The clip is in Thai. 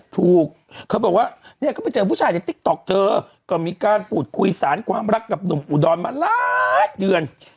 ถูกเขาบอกว่าเนี่ยก็ไปเจอผู้ชายในติ๊กต๊อกเธอก็มีการพูดคุยสารความรักกับหนุ่มอุดรมาหลายเดือน